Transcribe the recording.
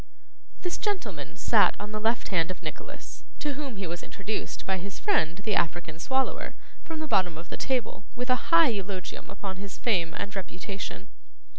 This gentleman sat on the left hand of Nicholas, to whom he was introduced by his friend the African Swallower, from the bottom of the table, with a high eulogium upon his fame and reputation.